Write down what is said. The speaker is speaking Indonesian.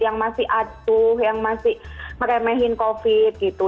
yang masih atuh yang masih meremehin covid gitu